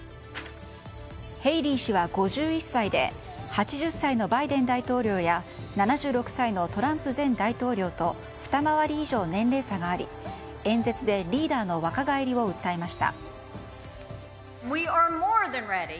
ヘイリー氏は５１歳で８０歳のバイデン大統領や７６歳のトランプ前大統領とふた回り以上年齢差があり演説でリーダーの若返りを訴えました。